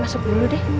masuk dulu deh